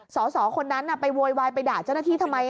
สอสอคนนั้นไปโวยวายไปด่าเจ้าหน้าที่ทำไม